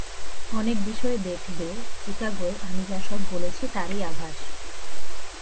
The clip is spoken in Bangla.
অনেক বিষয়ে দেখবে চিকাগোয় আমি যা সব বলেছি, তারই আভাস।